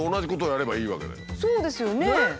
そうですよね！